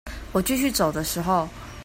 我繼續走的時候